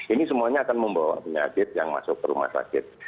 ini semuanya akan membawa penyakit yang masuk ke rumah sakit